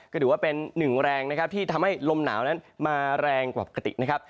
ก็ถือว่าเป็นหนึ่งแรงนะครับที่ทำให้ลมหนาวนั้นมาแรงกว่าปกตินะครับ